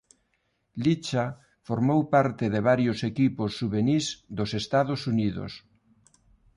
Licha formou parte de varios equipos xuvenís dos Estados Unidos.